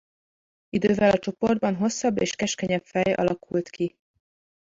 Idővel a csoportban hosszabb és keskenyebb fej alakult ki.